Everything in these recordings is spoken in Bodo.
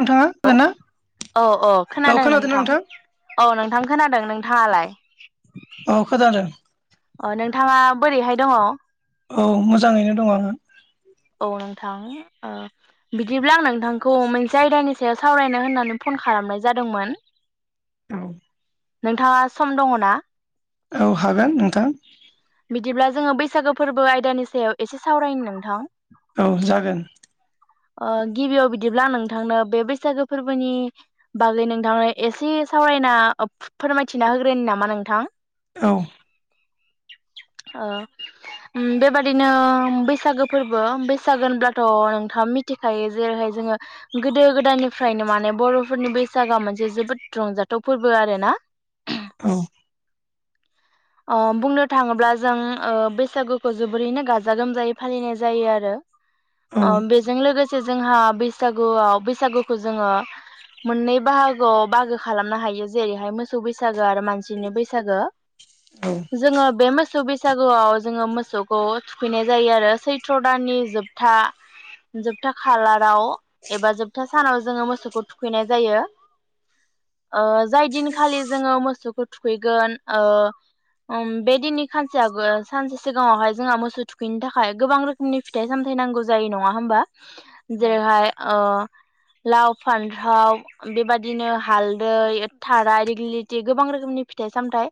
नोंथाङा [inaudible] औ औ खोनादों नोंथां औ नोंथां खोनादों नोंथांङालाय औ खोनादों अ नोंथाङा । बोरैहाय दंङ? औ मोजांङैनो दं आंङो थां ओ बिदिब्ला आं नोंथांखौ मोनसे आयदानि सायाव सावरायनो होननानै फन खालामनाय जादोंमोन औ नोंथांङा सम दंङ ना? औ हागोन नोंथां बिदिब्ला जोङो बैसागो फोरबो आयदानि सायाव एसे सावरायनो नोंथां औ जागोन ओ गिबियाव बिदिब्ला नोंथांनो बे बैसागो फोरबोनि बागै नोंथांनो एसे' सावरायना अफ फोरमायथिना होग्रोनि नामा नोंथां औ [unintelligible] ओ बेबादिनो बैसागो फोरबो बैसागो होनब्लाथ' नोंथाङा मिथ मिथिखायो जेरैहाय जोङो गोदो गोदायनिफ्रायनो माने बर'फोरनि बैसागोआ मोनसे जोबोद रंजाथाव फोरबो आरो ना औ [unintelligible] बुंनो थाङोब्ला जों ओ बैसागुखौ जोबोरैनो गाजा गोमजायै फालिनाय जायो आरो औ अ बे [inaudible] लोगोसे जोंहा बैसागुआव बैसागुखौ जोङो मोननै बाहागोआव बाहागो खालामनो हायो जेरैहाय मोसौ बैसागो आरो मानसिनि बैसागो औ जोङो बे मोसौ बैसागुआव जोङो मोसौखौ थुखैनाय जायो आरो सैथ्र' दाननि जोबथा जोबथा खालाराव एबा जोबथा सानाव जोंङो मोसौखौ थुखैनाय जायो ओ जाय दिनखालि जोंङो मोसौखौ थुखैगोन ओ [unintelligible] बे दिननि सानसेयागोल सानसे सिगांङावहाय जोंहा मोसौ थुखैनो थाखाय गोबां रोखोमनि फिथाइ सामथाइ नांगौ जायो नङा होमबा जेरैहाय ओ लाव, फानथाव बेबादिनो हालदै, थाराय, दिग्लिलिथि गोबां रोखोमनि फिथाइ सामथाइ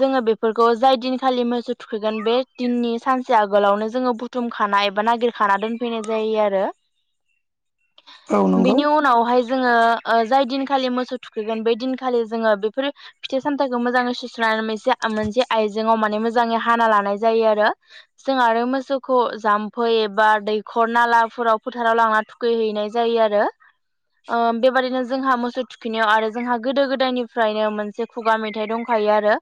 जोङो बेफोरखौ जाय दिनखालि मोसौ थुखैगोन बे दिननि सानसे आगोलावनो जोंङो बुथुमखानाय एबा नागिरखाना दोनफैनाय जायो आरो औ [unintelligible] नंगौ बेनि उनावहाय जोंङो ओ जाय दिनखालि मोसौ थुखैगोन बै दिनखालि जोंङो बेफोर फिथाइ सामथाइखौ मोजाङै सुस्रानानै मोनसे आ मोनसे आइजेंआव माने मोजांङै हाना लानाय जायो आरो जों आरो मोसौखौ जाम्फै एबा दैखर नाला। फुराव फोथाराव लांना थुखैहैनाय जायो आरो ओ बेबादिनो जोंहा मोसौ थुखैनायाव आरो जोंहा गोदो गोदायनिफ्रायनो मोनसे खुगा मेथाइ दंखायो आरो।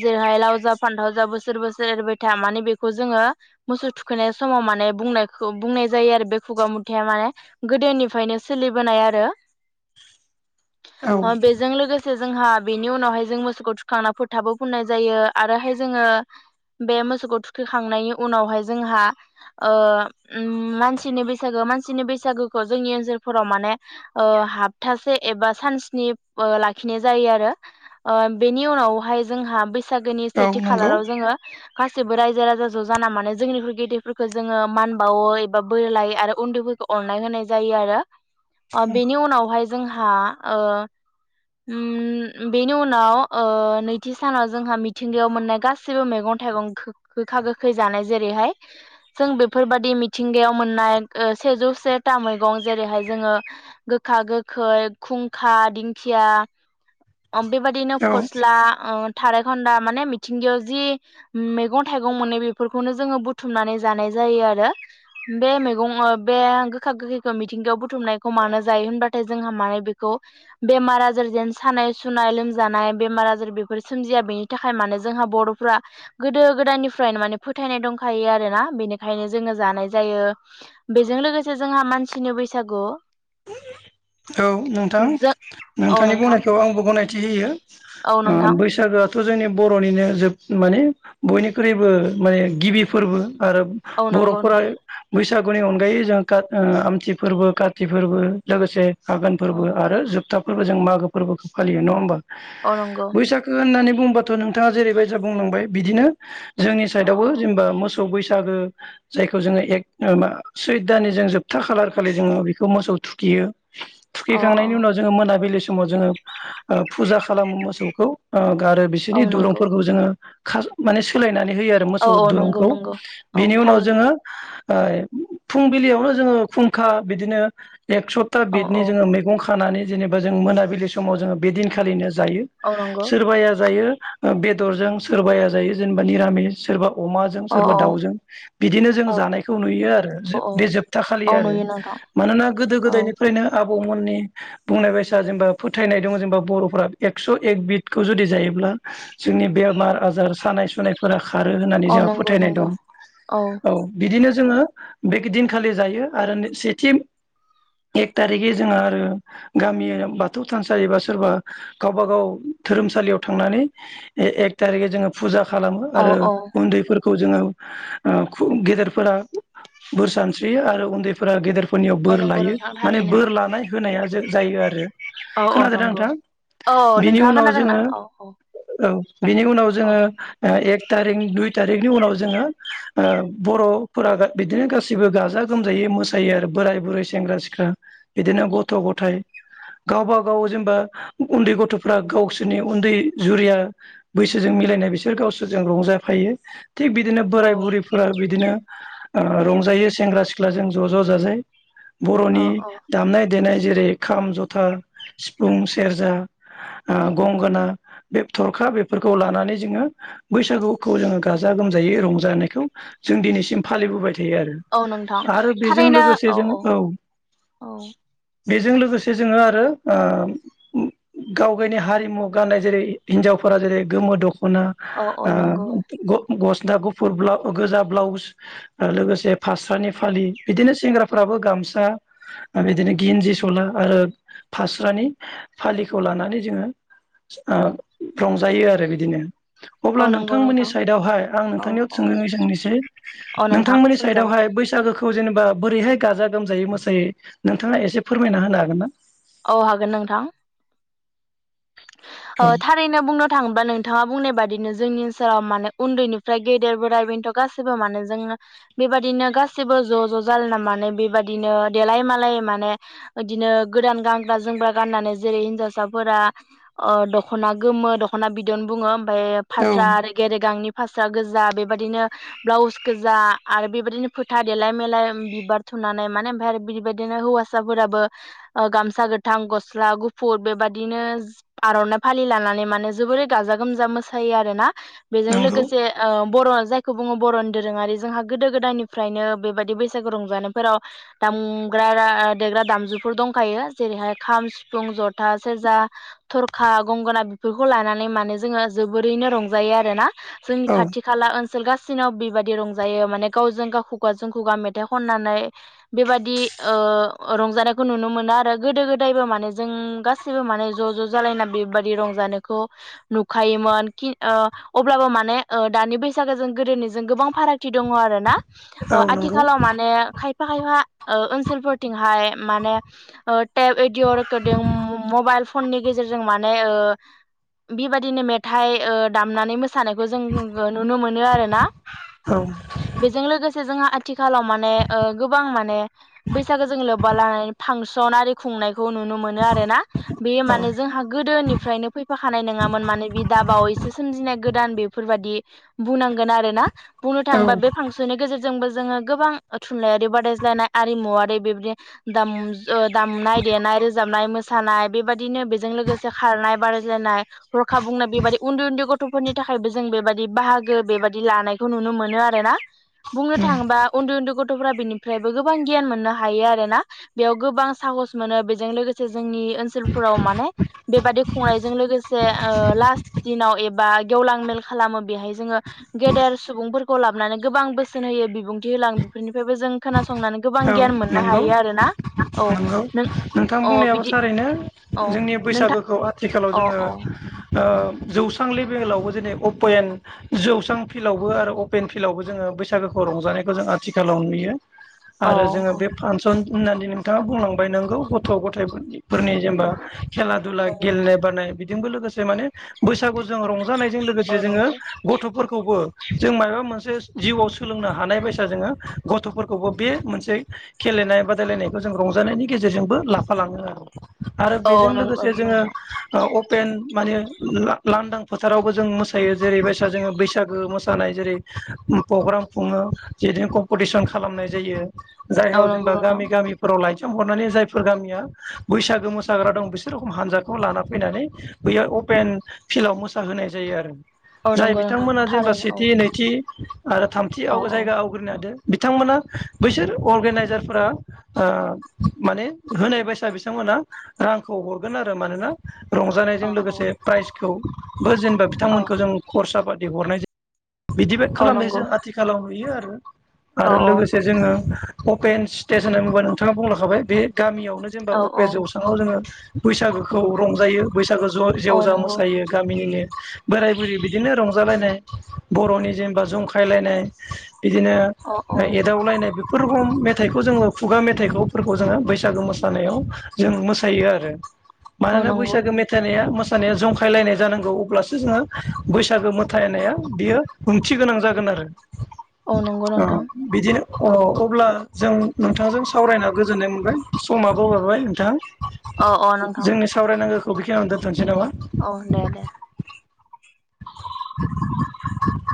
जेरैहाय लाव जा फानथाव जा बोसो बोसोर बोसोर एरबाय था माने बेखौ जोंङो मोसौ थुखैनाय समाव माने बुंनायखौ बुंनाय जायो आरो बे खुगा मेथाया माने गोदोनिफायनो सोलिबोनाय आरो। औ अ बेजों लोगोसे ज जोंहा बेनि उनावहाय जों मोसौखौ थुखांना फोथाबो फुननाय जायो आरोहाय जोंङो बे मोसौखौ थुखैखांनायनि उनावहाय जोंहा ओ ओम। मानसिनि बैसागो मानसिनि बैसागोखो जोंनि ओनसोलफोराव माने ओ हाबथासे एबा सानस्नि बो लाखिनाय जायो आरो ओ बेनि उनावहाय जोंहा। बैसागोनि औ सेथि नंगौ खालाराव जोंङो। गासिबो रायजो राजा ज' जाना माने जोंनिख्रुय गेदेरफोरखौ जोंङो मान बावो। बा बोर लायो आरो उन्दैफोरखौ अननाय होनाय जायो आरो। ओ बेनि उनावहाय। जोंहा ओ। ओम बेनि उनाव ओ नैथि सानाव जोंहा मिथिंगायाव मोननाय गासैबो मैगं थाइगं गोखा गोखै जानाय जेरैहाय जों बेफोरबादि मिथिंगायाव मोननाय ओ सेजौ सेता मैगं जेरैहाय जोंङो गोखा गोखै खुंखा दिं खिया। बेबादिनो औ फस्ला ओ। थारायखान्दा माने मिथिंगायाव जि मैगं थाइगं मोनो बेफोरखौनो जोंङो बुथुमनानै जानाय जायो आरो बे मैगं ओ बे गोखा गोखैखो मिथिंगायाव बुथुमनायखौ मानो जायो होनबाथाय जोंहा माने बेखौ। बेमार आजार जेन सानाय सुनाय लोमजानाय बेमार आजार बेफोर सोमजिया बेनि थाखाय माने जोंहा बर'फ्रा गोदो गोदायनिफ्रायनो माने फोथायनाय दंखायो आरोना बेनिखायनो जोंङो जानाय जायो बेजों लोगोसे जोंहा मानसिनि बैसागु। औ नोंथां। जों औ नोंथांनि नोंथां बुंनायखौ आंबो गनाय थिहोयो। औ ओ नोंथां बैसागोआथ' जोंनि बर'निनो जोब माने बयनिख्रुइबो। माने गिबि फोरबो। आरो औ नंगौ बर'फोरा नंगौ बैसाग बैसागुनि अनगायै जों कात ओ आमथि फोरबो कात। थि फोरबो लोगोसे। आगोन फोरबो औ आरो जोब। ता फोरबो जों मागो फोरबोखो फालियो नङा होमबा। औ नंगौ बैसागो होननानैब। बुंबाथ' नोंथांङा जेरैबायसा बुंलांबाय बिदिनो। जोंनि औ साइदआवबो औ जेनेबा मो सौ बैसागो जायखौ जोंङो एक मा सैथ दाननि जों जोबथा खालार खालि जोंङो मोसौ थुखियो। औ थुखैखांनायनि औ उनाव जोंङो मोनाबिलिस समाव जोंङो ओ फुजा खालामो मोसौखौ ओ। गारो औ बिसोरनि नंगौ दुरुंफोरखौ जोंङो खान माने सोलायनाय नानै होयो आरो औ मोसौ औ नंगौ दुरुंखौ नंगौ औ बिनि उनाव थारैनो जोङो आं फुंबिलियावनो जोङो खुंखा बिदिनो औ एकस'थाबिदनो औ जोंहा मैगं खानानै जेनेबा जों मोनाबिलि समाव जोङो बे दिनखालिनो जायो औ नंगौ सोरबाया जायो। बेदरजों सोरबाया जायो जेनेबा निरामिस सोरबा अमाजों औ सोरबा औ दाउजों बिदिनो जों जानायखौ नुयो आरो। औ औ बे जोबथा खालि औ आरो। नुयो नोंथां मानोना गोदो औ गोदायनिफ्रायनो आ आबौमोननि बुंनाय बायसा जेनेबा फोथायनाय दङ जेनेबा बर'फोरा एकस' एक बिदखौ जुदि जायोब्ला जोंनि बेमार आजार सानाय सुनायफोरा खारो होननानै औ जोंहा नंगौ फोथायनाय नंगौ दं औ बिदिनो जोङो बेदिनखालि जायो आरो सेथि एक थारिखै जोंङो आरो गामि बाथौ थानसालि बा सोरबा गावबा गाव धोरोमसालियाव थांनानै एक थारिखै जोङो फुजा खालामो औ आरो औ उन्दैफोरखौ खौ जोङो गेदेरफोरा बोर सानस्रि आरो उन्दैफोरा गेदेर फोरनियाव औ बोर नंगौ लायो नोंथां माने थारैनो बोर लानाय होनाया जायो आरो औ औ खोनादों ना नंगौ नोंथां औ बिनि नोंथाङा उनाव खोनादोंना जोङो औ औ औ बिनि उनाव औ जोङो एक थारिख दुय थारिखनि उनाव जोङो बर'फोरा बिदिनो गासिबो गाजा गोमजायै मोसायो आरो। बोराय बुरै सेंग्रा सिख्ला बिदिनो गथ' गथायाइ गावबा गाव जेनेबा उन्दै गथ'फ्रा गावसोरनि उन्दै जुरिया बैसोजों मिलायनाय बिसोर गावसोरजों रंजाफायो। थिग बिदिनो औ बोराय बुरैफोरा बिदिनो रंजायो सेंग्रा सिख्लाजों ज' ज' जाजाय औ बर'नि औ दामनाय देनाय जेरै खाम जथा सिफुं सेरजा गंगोना बे थरखा बेफोरखौ लानानै जोङो बैसागुखौ जोङो गाजा गोमजायै रंजानायखौ जों दिनैसिम फालिबोबाय थ औ नोंथां थारैनो। जों औ। औ बेजों लोगोसे जोङो आरो ओ गाव गावनि हारिमु गाननाय जेरै हिनजावफोरा जेरै गोमो दख ना औ औ नंगौ ओ गस्ला गुफुर गोजा ब्लाउस लोगोसे फास्रानि फालि बिदिनो सेंग्रा फ्राबो गामसा बिदिनो गिनजि सला आरो फास्रानि फालिखौ लानानै जोंओ रंजायो आरो बिदिनो अब्ला औ नंगौ नोंथांमोननि नोंथां साइडआवहाइ आं औ नोंथांनियाव औ सोंनानै औ नोंथां नोंथांमोननि सोंजागोन साइडआवहाय बैसागोखौ जेनेबा बोरैहाय गाजार [unintelligible] रंजायै मोसायै नोंथाङा एसे फोरमायना होनो हागोन ना औ हागोन नोंथां औ थारैनो बुंनो थाङोबा नोंथाङा बुंनाय बादि जोंनि ओनसोलाव माने उन्दैनिफ्राय गेदेर बोराय बेनथ' गासैबो माने जोङो बेबादिनो गासैबो ज' ज' जालायना माने बेबादिनो देलाय मालाय माने बिदिनो गोदान गानग्रा जोमग्रा गाननानै जेरै हिनजावसाफोरा दख'ना गोमो दख'ना बिदन बुङो औ ओमफ्राय आरो गेरेगांनि फास्रा गोजा बेबायदिनो ब्लाउस गोजा आरो बेबायदिनो फोथा देलाय मेलाय बिबार थुनानै माने ओमफ्रायाय आरो बिबायदिनो हौवासाफोराबो गामसा गोथां गस्ला गुफुर बेबायदिनो आर'नाइ फालि लानानै माने जोबोरै गाजा गोमजा मोसायो आरो ना बेजों नंगौ लोगोसे बर'आ जाय जायखौ बुङो बर'नि दोरोङारि जोंहा गोदो गोदायनिफ्रायनो बेबायदि बैसागु रंजानायफोराव दामग्रा देग्रा दामजुफोर दंखायो जेरैहाय खाम सिफुं जथा सेरजा थरखा गंगोना बेफोरखौ लानानै माने जोङो जोबोरैनो रंजायो आरो ना जोंनि औ खाथि खाला ओनसोल गासैनावबो बेबायादि रंजायो माने गावजों गाव खुगाजों खुगा मेथाइ खनानै बेबायदि रंजानायखौ नुनो मोनो आरो गोदो गोदायबो माने जों गासिबो माने ज' ज' जालायना बेबायदि रंजानायखौ नुखायोमोन अब्लाबो माने दानि बैसागोजों गोदोनिजों गोबां फारागथि दं आरो ना ओ औ नंगौ आथिखालाव माने खाइफा खाइफा ओनसोलफोरथिंहाय माने थेब, अडिअ रेकरदिं, मबाइल फननि नि गेजेरजों माने बेबायदिनो मेथाइ दामनानै मोसानायखौ जों नुनो मोनो आरो ना औ बेजों लोगोसे जोंहा आथिखालाव माने गोबां माने बैसागो जों लोब्बा लानानै फांसन आरि खुंनायखौ नुनो मोनो आरोना बेयो माने जोंहा गोदोनिफ्रायनो फैफाखानाय नङामोन माने बियो दाबावैसो सोमजिनाय गोदान बेफोरबायादि बुंनांगोन आरोना बुंनो औ थाङोबा बे फांसननि गेजेरजों जोंबो जोङो गोबां थुनलाइारि बादायज्लायनाय आरिमुवारि बेबायदि दामनाय देनाय रोजाबनाय मोसानाय बेबायदिनो बेजों लोगोसे खारनाय बादायलायनाय हरखा बुंनाय बेबादि उन्दै उन्दै गथ'फोरनि थाखायबो जों बेबादि बाहागो बेबादि लानायखौ नुनो मोनो आरो ना बुंनो थाङोबा उन्दै उन्दै गथ'फोरा बेनिफ्रायबो गोबां गियान मोननो हायो आरो ना बेयाव गोबां साहस मोनो बेजों लोगोसे जोंनि ओनसोलफोराव माने बेबादि खुंनायजों लोगोसे लास दिनाव एबा गेवलां मेल खालामो बेहाय जोङो गेदेर सुबुंफोरखौ लाबोनानै गोबां बोसोन होयो बिबुंथि होलांओ बेफोरनिफ्रायबो जों खोनासं औ नंगौ औ नंगौ नों नोंथां अ बुंनायाबो बिदि थारैनो अ जोंनि नोंथां बैसागोखौ आथिखालाव अ जोङो अ जौस्रां लेभेलावबो अपेन जौस्रां फिल्डआवबो आरो अपेन फिल्डआवबो जोङो बैसागो रंजानायखौ जों आथिखालाव नुयो औ आरो जोङो बे फांसन होननानै नोंथाङा बुंलांबाय नांगौ गथ' गथायफोरनि फोरनि जेनेबा खेला दुला औ गेलेनाय बादायनाय बेजोंबो लोगोसे माने बैसागुजों रंजा रंजानायजों औ लोगोसे जोङो नंगौ गथ'फोरखौबो जों माबा मोनसे जिउआव सोलोंनो हानाय बायसा जोङो गथ'फोरखौबो बे मोनसे गेलेनाय बादायलायनायखौ जों रंजानायनि गेजेरजोंबो लाफालाङो आरो आरो औ बेजों नंगौ लोगोसे जोङो नोंथां अपेन माने लांदां फोथारावबो जों मोसायो जेरै बायसा जोङो बैसागो मोसानाय जेरै प्रग्राम खुङो जेनै कम्पिटिसन खालामनाय जायो औ जायगायाव जों नंगौ दा नोंथां गामि गामिफोराव लाय हरनानै जायफोर गामिया बैसागो मोसाग्रा दं बिसोर हानजाखौ लाना फैनानै बैयाव अपेन फिल्डआव मोसाहोनाय जायो आरो औ जाय नंगौ नोंथां बिथांमोना जेनेबा थारैनो औ सेथि नैथि आरो थामथि औ औ जायगा आवग्रिनो हादो बिथांमोना बैसोर अर्नाइजारफोरा माने होनाय बायसा बिथांमोना रांखौ हरगोन आरो मानोना औ रंजानायजों लोगोसे प्राइजखौबो जेनेबा औ बिथांमोनखौ जों खरसा आबाद हरनाय जायो बिदिब औ खालामनाय नंगौ जों आथिखालाव नुयो आरो औ आरो लोगोसे अपेन स्टेस होननांगौबा नोंथाङा बुंलाखाबाय बे गामियाव जेनेबा औ अफे औ जौसांङाव जोङो बैसागोखौ रंजायो बैसागो ज' औ जेवजा नंगौ मोसायो गामिनिनो बोराय बुरै बिदिनो रंजालायनाय बर'नि जेनेबा जंखायलायनाय बिदिनो औ औ एदावलायनाय बेफोर र मेथाइखौ जोङो खुगा मेथाइफोरखौ जोङो बैसागो मोसानायाव जों मोसायो आरो औ मानोना नंगौ बैसागो मेथाइनाया मो जानया जंखायलायनाय जानांगौ अब्लासो जोङो बैसागो मोथायनाया बियो ओंथि गोनां जागोन आरो औ नंगौ नोंथां बिदिनो अ अब्ला जों नोंथांजों सावरायना गोजोननाय मोनबाय समाबो बारबाय नोंथाङा अ अ नोंथां [unintelligible] दोनथ'नोसै नामा औ दे दे [inaudible]